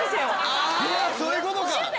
あそういうことか。